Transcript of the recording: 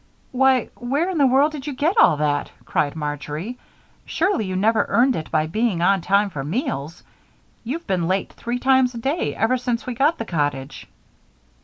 "Why, where in the world did you get all that?" cried Marjory. "Surely you never earned it by being on time for meals you've been late three times a day ever since we got the cottage."